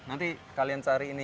nanti kalian cari ini